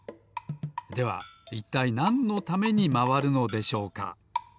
ではいったいなんのためにまわるのでしょうか？